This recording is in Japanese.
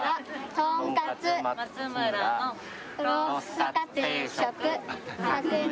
「とんかつ松村のロースかつ定食角煮」